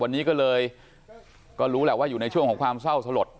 วันนี้ก็เลยก็รู้แหละว่าอยู่ในช่วงของความเศร้าสลด